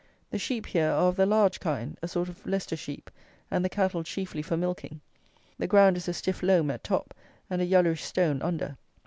The sheep here are of the large kind; a sort of Leicester sheep, and the cattle chiefly for milking. The ground is a stiff loam at top, and a yellowish stone under.